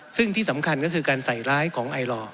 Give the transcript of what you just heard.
ซึ่งที่สำคัญก็คือการใส่ร้ายของไอลอร์